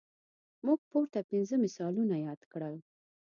موږ پورته پنځه مثالونه یاد کړل.